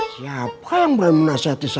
siapa yang berani menasihati saya